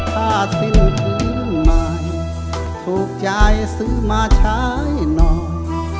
ผ้าสิ้นพื้นใหม่ถูกใจซื้อมาใช้นอน